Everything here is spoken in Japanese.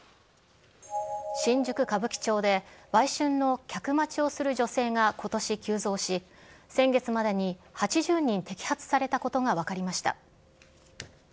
新宿・歌舞伎町で、売春の客待ちをする女性がことし急増し、先月までに８０人摘発されたことが分かりました。